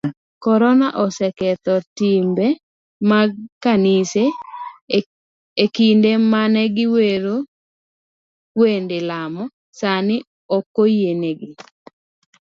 Korona oseketho timbe mag kanise, ekinde mane giwero wende lamo, sani okoyienegi.